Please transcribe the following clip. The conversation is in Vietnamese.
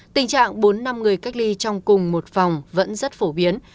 tình trạng bốn năm người cách ly trong cùng một phòng vẫn rất phổ biến